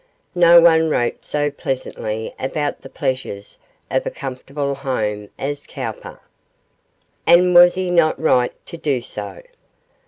No one wrote so pleasantly about the pleasures of a comfortable room as Cowper. And was he not right to do so?